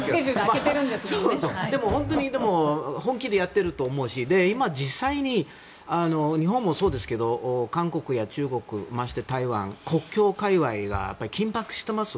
本当に、本気でやってると思うし今、実際に日本もそうですが韓国や中国、まして台湾国境界隈が緊迫しています。